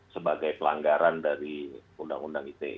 sebagai pelanggaran dari undang undang ite